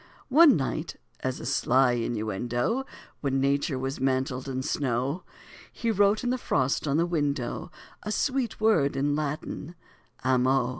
One night, as a sly innuendo, When Nature was mantled in snow, He wrote in the frost on the window, A sweet word in Latin "amo."